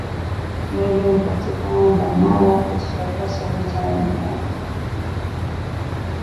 mwili huapata madhara ikikosa viatamin A